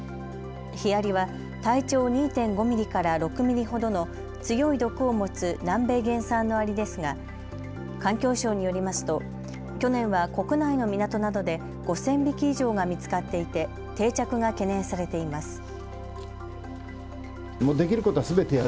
ヒアリは体長２．５ミリから６ミリほどの強い毒を持つ南米原産のアリですが環境省によりますと去年は国内の港などで５０００匹以上が見つかっていて定着が懸念されています。